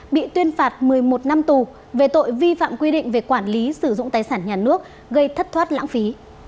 bị tuyên phạt một mươi một năm tù về tội vi phạm quy định về quản lý sử dụng tài sản nhà nước gây thất thoát lãng phí